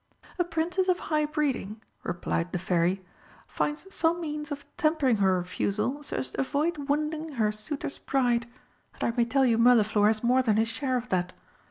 "A Princess of high breeding," replied the Fairy, "finds some means of tempering her refusal so as to avoid wounding her suitor's pride; and I may tell you Mirliflor has more than his share of that.